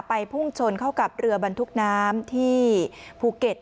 พุ่งชนเข้ากับเรือบรรทุกน้ำที่ภูเก็ต